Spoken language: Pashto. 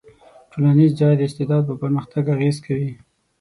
ټولنیز ځای د استعداد په پرمختګ اغېز کوي.